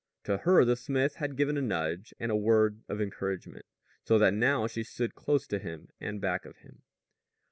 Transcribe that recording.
To her the smith had given a nudge and a word of encouragement, so that now she stood close to him and back of him.